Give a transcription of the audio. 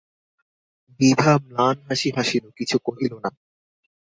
বিভা ম্লান হাসি হাসিল, কিছু কহিল না।